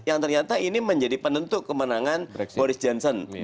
yang ternyata ini menjadi penentu kemenangan boris johnson